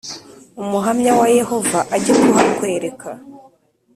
Umuhamya wa Yehova ajye kuhakwereka